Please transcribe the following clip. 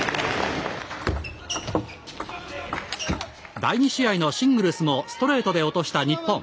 第２試合のシングルスもストレートで落とした日本。